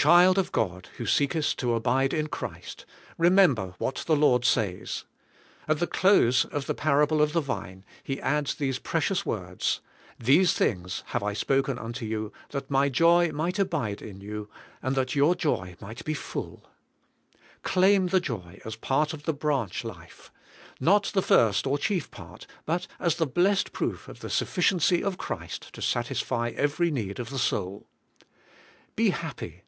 Child of God, who seekest to abide in Christ, re member what the Lord says. At the close of the Parable of the Vine He adds these precious words :' These things have I spoken unto you, that my joy might abide in you, and that your joy might be full.' THAT YOUR JOY MAY BE FULL. 191 Claim the joy as part of the branch life, — not the first or chief part, but as the blessed proof of the sufficiency of Christ to satisfy every need of the soul. Be happy.